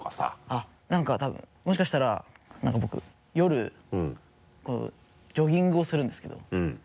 あっ何か多分もしかしたら何か僕夜ジョギングをするんですけど。